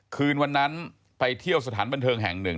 คืนวันนั้นไปเที่ยวสถานบันเทิงแห่งหนึ่ง